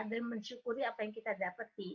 dan mensyukuri apa yang kita dapeti